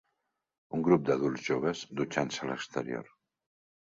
Un grup d'adults joves dutxant-se a l'exterior